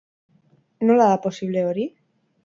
Nola da posible hori?